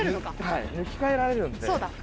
はい抜き替えられるんで。